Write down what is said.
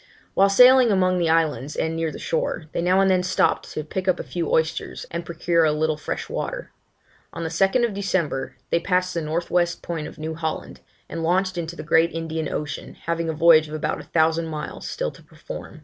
While sailing among the islands and near the shore, they now and then stopped to pick up a few oysters, and procure a little fresh water. On the 2nd September, they passed the north west point of New Holland, and launched into the great Indian Ocean, having a voyage of about a thousand miles still to perform.